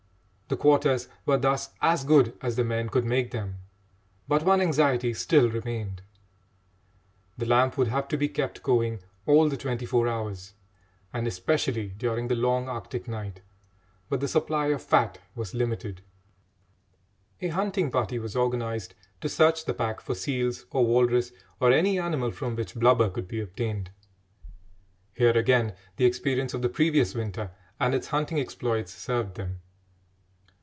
The quarters were thus as good as the men could make them, but one anxiety still remained. The lamp would have to be kept going all the twenty four hours, and especially during the long Arctic night; but the supply of fat was limited. A hunting party was organised to search the pack for seals or walrus or any animal from which blubber could be obtained. Here again the experience of the previous winter and its hunting exploits served them.